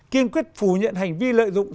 kiên quyết phù nhận hành vi lợi dụng